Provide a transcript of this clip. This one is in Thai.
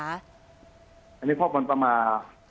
อันนี้พวกผมมา